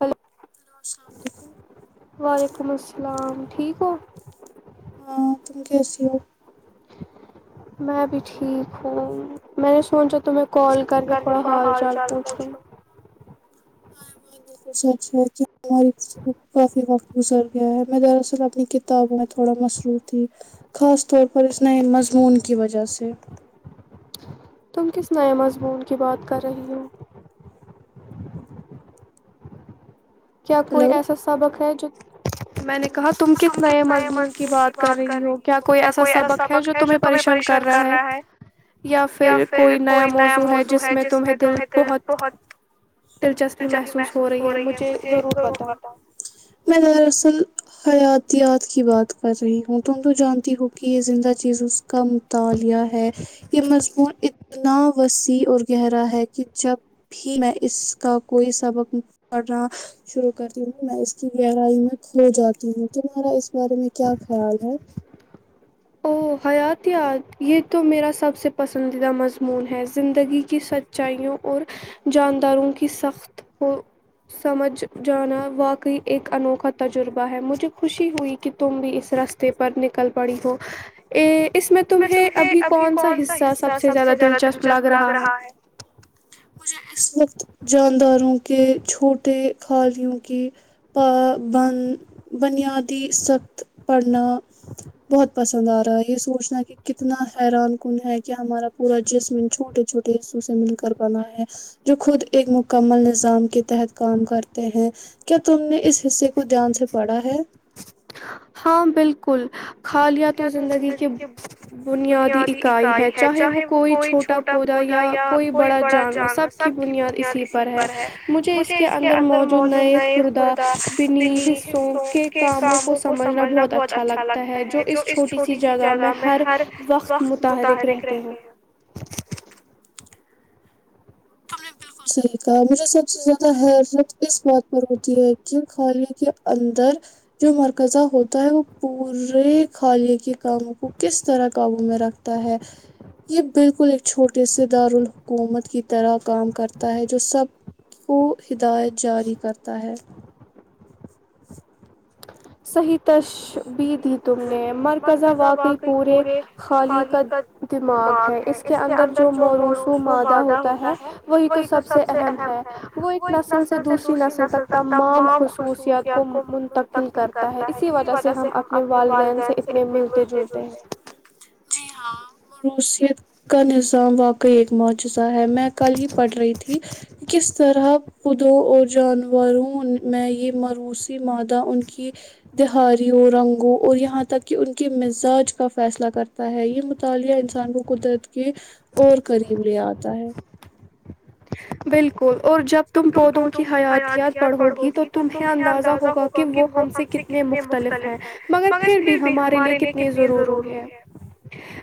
hello وعلیکم السلام ٹھیک ہو ہاں تم کیسی ہو میں بھی ٹھیک ہوں میں نے سوچا تمہیں کال کرکے تھوڑا حال چال پوچھ لوں [inaudible] سچ ہے ہماری کافی وقت گزر گیا ہے میں دراصل اپنی کت کتابوں میں تھوڑا مصروف تھی خاص طور پر اس نئے مضمون کی وجہ سے تم کس نئے مضمون کی بات کر رہی ہو کیا کوئی ایسا سبق ہے جو میں نے کہا تم کس نئے مضمون کی بات کر رہی ہو کیا کوئی ایسا سبق ہے جو تمہیں پریشان کررہا ہے یا پھر کوئی نیا موضوع ہے جس میں تمہیں دل بہت دلچسپی محسوس ہو رہی ہے مجھے ضرور بتاؤ میں دراصل حیاتیات کی بات کررہی ہوں تم تو جانتی ہو کہ یہ زندہ چیز س کا مطالعہ ہے یہ مضمون اتنا وسیع اور گہرا ہے کہ جب بھی میں اس کا کوئی سبق پڑھ رہا شروع کرتی ہوں میں اس کی گہرائی میں کھو جاتی ہوں تمہارا اس بارے میں کیا خیال ہے اوہ حیاتیات یہ تو میرا سب سے پسندیدہ مضمون ہے زندگی کی سچ چایوں اور جانداروں کی سخت ہو سمجھ جانا واقعی ایک انوکھا تجربہ ہے مجھے خوشی ہوئی کہ تم بھی اس رس تے پر نکل پڑی ہو اے اس میں تمہیں ابھی کون سا حصہ سب سے زیادہ دلچسپ لگ رہا ہے [inaudible] مجھے اس وقت جانداروں کے چھوٹے خالیوں کی ب بن بنیادی سخت پڑنا بہت پسند آرہا ہے یہ سوچنا کہ کتنا حیران کن ہے کہ ہمارا پورا جسم چھوٹے چھوٹے ٹسو سے مل کر بنا ہے جو خود ایک مکمل نظام کے تحت کام کرتے ہیں کیا تم نے اس حصے کو دھیان سے پڑھا ہے ہاں بالکل خالیہ تو زندگی کے بنیادی اکائی ہے چاہے وہ کوئی چھوٹا پودا یا کوئی بڑا جانور سب کی بنیاد اسی پر ہے مجھے اس کے اندر موجود نئے خوردا بنی حص سو کے کاموں کو سمجھنا بہت اچھا لگتا ہے جو چھوٹی سی جگہ میں ہر وقت متحرک رہتے ہیں تم نے بالکل صحیح کہا مجھے سب سے زیادہ حیرت اس بات پر ہوتی ہے کہ کھانے کے اندر جو مرکزہ ہوتا ہے وہ پورے خالی کے کاموں کو کس طرح قابو میں رکھ تا ہے یہ بالکل ایک چھوٹے سے دارالحکومت کی طرح کام کرتا ہے جو سب کو ہدایت جاری کرتا ہے صحیح تش بی دی تم نے مرکزہ واقعی پورے خالی کد دماغ ہے اس کے اندر جو موروسو مادہ ہوتا ہے وہی تو سب سے اہم ہے وہ اک نسل سے دوسری نسل تک تمام خصوصیات کو منتقل کرتا ہے اسی وجہ سے ہم اپنے والدین سے اتنے ملتے جلتے ہیں جی ہاں مروثیت کا نظام واقعی معجزہ ہے میں کل ہی پڑھ رہی تھی کہ کس طرح خودروں اور جانوروں میں یہ مروثی مادہ ان کی دہار [unintelligible] رنگوں اور یہاں تک کہ ان کے مزاج کا فیصلہ کرتا ہے یہ مطالعہ انسان کو قدرت کے اور قریب لے آتا ہے بالکل اور جب تم پودوں کی حیاتیات بڑھو گی تو تمہیں اندازہ ہوگا کہ وہ ہم سے کتنے مختلف ہیں مگر پھر بھی ہمارے لیے کتنی ضروری ہے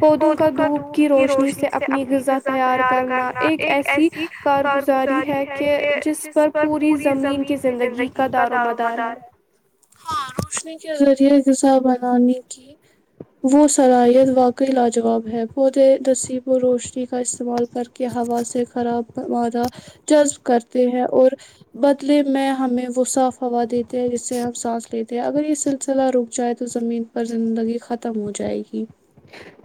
پودوں کا دھوپ کی روشنی سے اپنی غذا تیار کرنا ایک ایسی کار گزاری ہے کہ جس پر پوری زمین کی زندگی کا دار و مدار ہے ہاں روشنی کے ذریعے غذا بنانے کی وہ صلاحیت واقعی لاجواب ہے پودے نصیب و روشنی استعمال کر کے ہوا سے خراب مدہ جذب کرتے ہیں اور بدلے میں ہمیں وہ صاف ہوا دیتے جس سے ہم سانس لیتے ہیں اگر یہ سلسلہ رک چاہے تو زمین پر زندگی ختم ہو جائے گی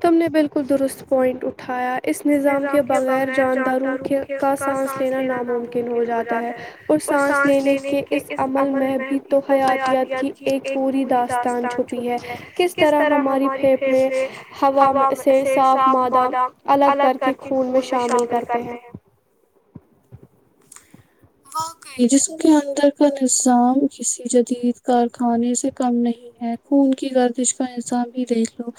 تم نے بالکل درست پوائنٹ اٹھایا اس نظام کے بغیر جانداروں کے کا سانس لینا ناممکن ہو جاتا ہے اور سانس لینے کے اس عمل میں بھی تو حیاتیات کی ایک پوری داستان چھپ ہے کس طرح ہماری پھیپھڑے ہوا سے صاف مادہ الگ کر کے خون میں شامل کرتے ہیں واقعی جسم کے اندر کا نظام کسی جدید کارخانے سے کم نہیں خون کی گردش کا الظام ہی دیکھ لو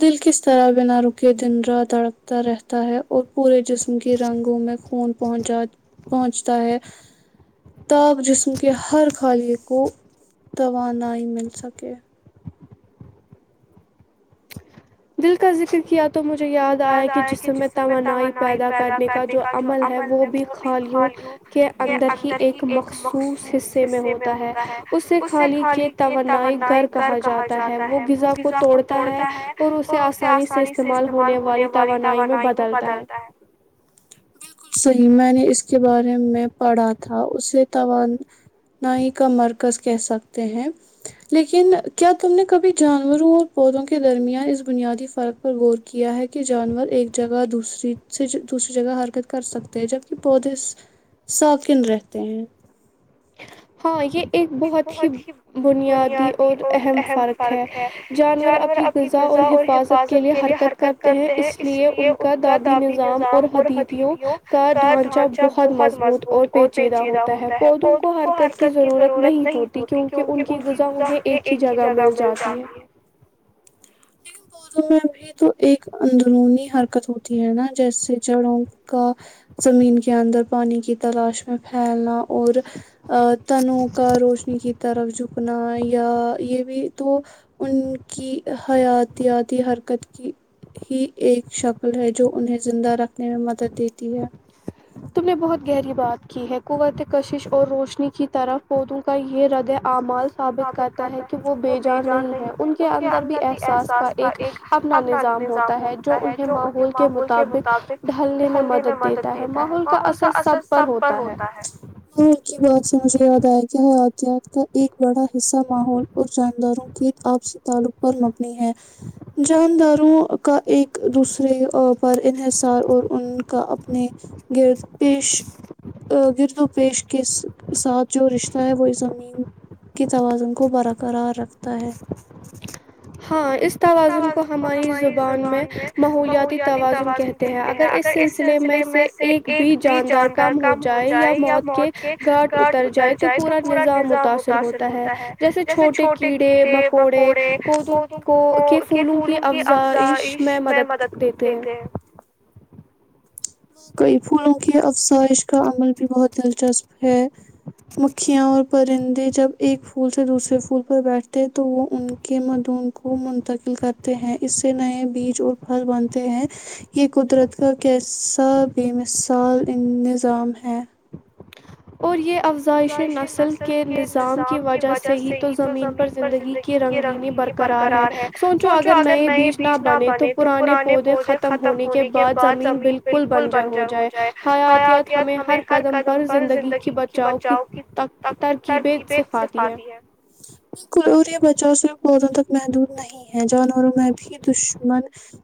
دل کس طرح بنا رکے دن رات تڑپ رہتا ہے اور پورے جسم کے رنگوں میں خون پہنچا پہنچتا ہے تاب جسم کے ہر خالی کو توانائی مل سکے دل کا ذکر کیا تو مجھے یاد آیا کہ جسم میں توانائی پیدا کرنے کا جو عمل ہے وہ بھی خالیوں کے اندر ہی ایک مخصوص حصے میں ہوتا ہے اس سے خالی کے توانائی گھر کہا جاتا ہے وہ غذا کو توڑتا ہے اور اسے آسانی سے استعمال ہونے والی توانائی میں بدلتا ہے بالکل صحیح میں نے اس کے بارے میں پڑھا تھا اسے توان نائ کا مرکز کہہ سکتے ہیں لیکن کیا تم نے کبھی جانوروں اور پودوں کے درمیان اس بنیادی فرق پر غور کیا ہے کہ جانور ایک جگہ دوسری سے دوسری جگہ حرکت کر سکتے ہیں جبکہ پودے شوکین رہتے ہیں ہاں یہ ایک بہت ہی بنیادی اور اہم فرق ہیں جانور اپنی غذا اور حفاظت کے لیئے حرکت کرتے ہیں اس لیئے ان کا دابی نظام اور حدییدیوں کا ڈھانچہ بہت مضبوط اور پیچیدہ ہوتا ہے پودوں کو حرکت کی ضرورت نہیں ہوتی کیونکہ ان کی غذا انہیں ایک ہی جگہ مل جاتی ہے جن پودوں نے ابھی یہ تو ایک اندرونی حرکت ہوتی ہے نا جیسے جڑوں کا زمین کے اندر پانی کی تلاش میں پھیلنا اور تنو روشنی کی طرف جھکنا یا یہ بھی تو انکی حیاتیاتی حرکت کی کی ایک شکل ہے جو انہیں زندہ رکھنے میں مدد دیتی ہے تم نے بہت گہری بات کی ہے قوت کشش اور روشنی کی طرف پودوں کا یہ رد اعمال ثابت کرتا ہے کہ وہ بے جان نہیں ہے ان کے اندر بھی احساس کا ایک اپنا نظام ہوتا ہے جو انہیں ماحول کے مطابق ڈھلنے میں مدد دیتا ہے ماحول کا اثر سب پر ہوتا ہے ہاں ان کی بات سے مجھے یاد آیا کہ حیاتیات کا ایک بڑا حصہ ماحول اور جانداروں کی آپ سے تعلق اور مبنی ہے جانداروں کا ایک دوسرے پر انحصار اور ان کا اپنے گرد پیش گرد و پیش کے ساتھ جو رشتہ ہے وہ زمین کے توازن کو برقرار رکھتا ہے ہاں اس توازن کو ہماری زبان میں ماحولیاتی توازن کہتے ہیں اگر اس سلسلے میں سے ایک بھی جاندار کم ہو جائے یا موت کے گھاٹ اتر جائے تو پورا نظام متاثر ہوتا ہے جیسے چھوٹے کیڑے مکوڑے پودوں کو کے پھولوں کی افزائش میں مدد دیتے ہیں کئی پھولوں کی افسائش کا عمل بھی بہت دلچسپ ہے مکھیاں اور پرندے جب ایک پھول سے دوسرے پھول پر بیٹھتے تو وہ ان کے مدھون کو مل منتقل کرتے ہیں اس سے نئے بیج اور پھل بنتے ہیں یہ قدرت کا کیس کا بے مثال ان نظام ہے اور یہ افزائشیں نسل کے نظام کی وجہ سے ہی تو زمین پر زندگی کی یہ رنگینی برقرار ہے سوچو اگر نئے بیج نہ بنے تو پرانے پودے ختم تم ہونے کے بعد زمین بالکل بنجر ہو جائے حیاتیات ہمیں ہر قدم پر زندگی ان کی بچاؤ کی تک ترکیبیں سکھاتی ہیں اور یہ بچاؤ صرف پودوں تک محدود نہیں ہے جانوروں میں بھی دشمن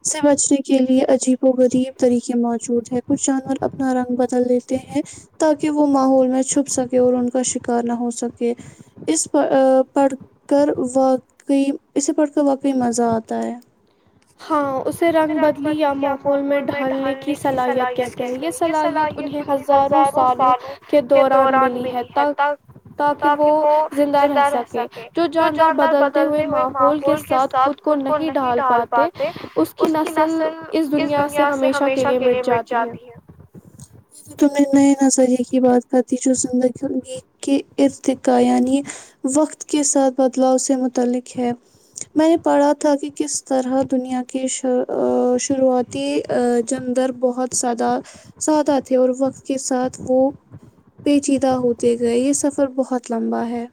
سے بچنے کے لیے عجیب و غریب طریقے موجود ہے کچھ جانور اپنا رنگ بدل دیتے ہیں تاکہ وہ ماحول میں چھپ سکے اور ان کا شکار نہ ہو سکے اس پر پڑھ کر واقعی اسے پڑھکر واقعی مزہ آتا ہے رنگ بدلی یا ماحول میں ڈھالنے کی صلاحیت کہتے ہیں یہ صلاحیت انہیں ہزاروں سالوں کے دوران ملی ہے تاک تاکہ وہ زندہ رہ سکے جو جاندار بدلتے ہوئے ماحول کے ساتھ خود کو نہیں ڈال پا تے اس کی نسل اس دنیا سے ہمیشہ کے لیے مٹ جاتی ہے یہ تو من میں نظریہ کی بات کرتی جو اس میں زندگیوں کے ارتقا یعنی وقت کے ساتھ بدلاؤ سے متعلق ہے میں نے پڑھا تھا کہ کس طرح دنیا کے شا آ شروعات کے جندر بہت زیادہ سادہ سادہ تھے اور وقت کے ساتھ وہ پیچیدہ ہوتے گئے یہ سفر بہت لمبا ہے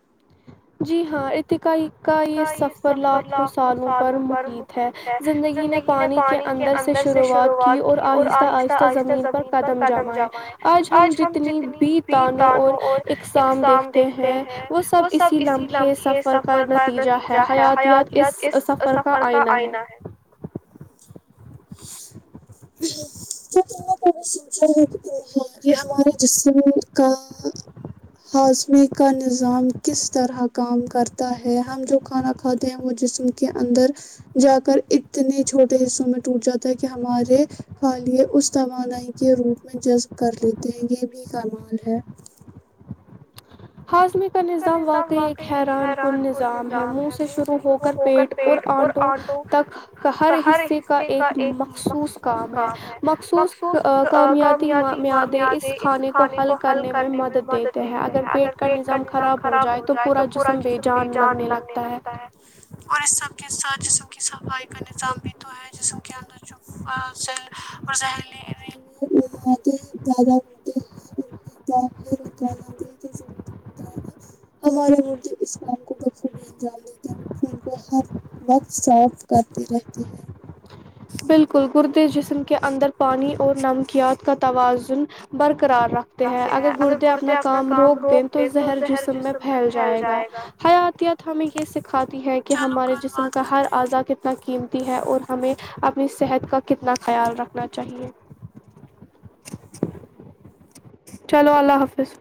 جی ہاں ات تقاںی کا یہ سفر لاکھوں سالوں پر محیط ہے زندگی نے پانی کے اندر سے شروعات کی اور آہستہ آہستہ زمین پر قدم جمائے آج ہم جتنی بھی تعانوں اور اقسام دیکھتے ہیں وہ سب اسی لمحے سفر کا نتیجہ ہے حیاتیات اس سفر کا آئینہ ہے [unintelligible] یہ ہمارے جسم کا ہاضمی کا نظام کس طرح کام کرتا ہے ہے ہم جو کھانا کھاتے ہیں وہ جسم کے اندر جا کر اتنے چھوٹے حصوں میں ٹوٹ جاتا ہے کہ ہمارے خالیہ اس توانائی کے روپ میں جذب کر لیتے ہیں یہ بھی کمال ہے ہاضمے کا نظام واقعی ایک حیران کن نظام ہے منہ سے شروع ہو کر پیٹ اور آنٹوں تک کا ہر حصے کا ایک مخصوص کام ہے مخصوص کامیاتی میادیں اس کھانے کو حل کرنے میں مدد دیتے ہیں اگر پیٹ کا نظام خراب ہو جائے تو پورا جسم بےجان لگنے لگتا ہے اور اس سب کے ساتھ جسم کی صفائی کا نظام بھی تو ہے جسم کے اندر اور زہریلے زیادہ [unintelligible] باہر نکالا د تو [unintelligible] نا ہمارے مردے اس کام کو بخوبی انجام دیتے ہیں ان کو ہر [unintelligible] وقت صاف کرتی رہتی ہے بلکل گردے جسم کے اندر پانی اور نمکیات کا توازن برقرار رکھ تے ہیں اگر گردے اپنا کام روک دیں تو زہر جسم میں پھیل جائے گا حیاتیات ہمیں یہ سکھاتی ہیں کہ ہمارے جسم کا ہر اعضاء کتنا قیمتی ہے اور ہمیں اب اپنی صحت کا کتنا خیال رکھنا چاہیے چلو اللہ حافظ